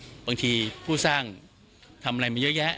บางทีผู้สร้างทำอะไรมาเยอะแยะ